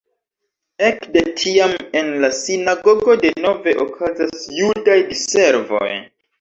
Ekde tiam en la sinagogo denove okazas judaj diservoj.